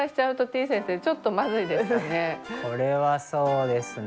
これはそうですね。